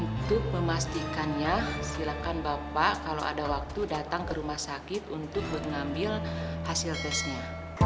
untuk memastikannya silakan bapak kalau ada waktu datang ke rumah sakit untuk mengambil hasil tesnya